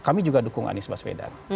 kami juga dukung anies baswedan